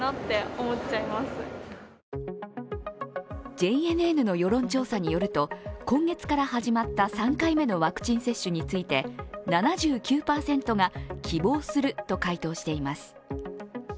ＪＮＮの世論調査によると今月から始まった３回目のワクチン接種について７９％が希望すると回答しています。